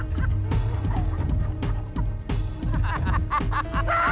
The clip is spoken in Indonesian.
karena menang ada jajanannya